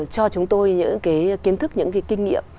cho chúng tôi những cái kiến thức những cái kinh nghiệm